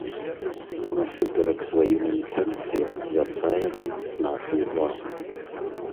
І насуперак сваім інтэнцыям звяртае на іх нашу ўвагу.